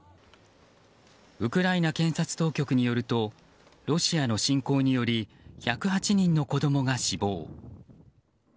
ウクライナ検察当局によるとロシアの侵攻により１０８人の子供が死亡。